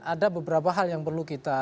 ada beberapa hal yang perlu kita